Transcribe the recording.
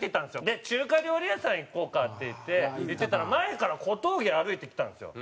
で「中華料理屋さん行こうか」って言って行ってたら前から小峠歩いてきたんですよ。